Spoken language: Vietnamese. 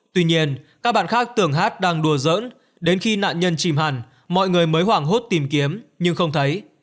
tuy nhiên các bạn khác tưởng hát đang đùa dỡn đến khi nạn nhân chìm hẳn mọi người mới hoảng hốt tìm kiếm nhưng không thấy